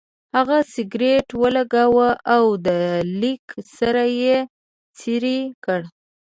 هغه سګرټ ولګاوه او د لیک سر یې څېرې کړ.